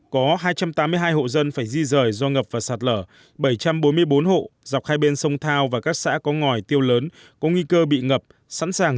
có hai hectare lúa hoa màu và cây ăn quả đã bị ngập úng